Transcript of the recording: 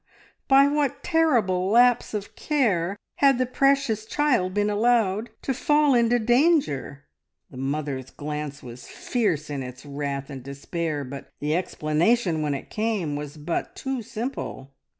By what terrible lapse of care had the precious child been allowed to fall into danger? The mother's glance was fierce in its wrath and despair, but the explanation when it came was but too simple.